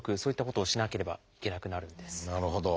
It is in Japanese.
なるほど。